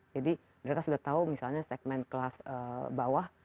jadi mereka sudah tahu misalnya segmen kelas bawah